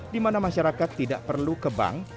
di mana masyarakat tidak perlu ke bank